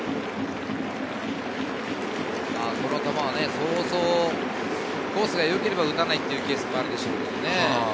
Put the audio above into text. この球はそうそうコースがよければ打たないというケースがあるでしょうね。